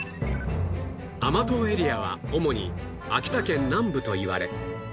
甘党エリアは主に秋田県南部といわれ